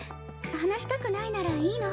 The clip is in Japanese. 話したくないならいいの。